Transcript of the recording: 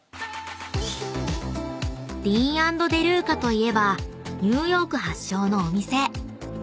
［ＤＥＡＮ＆ＤＥＬＵＣＡといえばニューヨーク発祥のお店］